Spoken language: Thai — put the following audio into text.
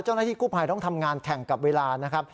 เจ้าหน้าที่กู้ภัยต้องทำงานแข่งกับเวลานะครับ